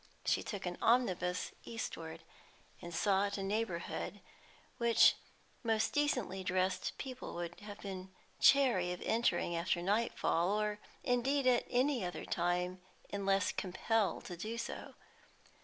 She took an omnibus eastward, and sought a neighbourhood which most decently dressed people would have been chary of entering after nightfall, or indeed at any other time, unless compelled to do so.